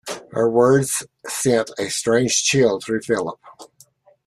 Her words sent a strange chill through Philip.